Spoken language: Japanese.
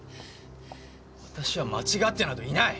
私は間違ってなどいない！